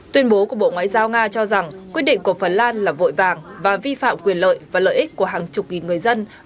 tuyên bố của bộ ngoại giao nga cho rằng quyết định của phần lan là vội vàng và vi phạm quyền lợi và lợi ích của